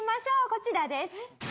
こちらです。